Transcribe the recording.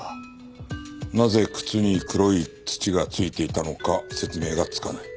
なぜ靴に黒い土が付いていたのか説明がつかない。